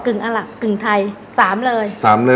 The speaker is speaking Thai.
กึ่งอาหลับกึ่งไทย๓เลย